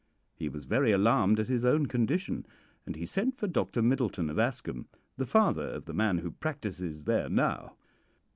He was very alarmed at his own condition, and he sent for Doctor Middleton, of Ascombe, the father of the man who practises there now.